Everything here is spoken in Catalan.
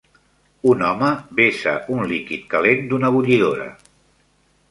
Un home vessa un líquid calent d'una bullidora.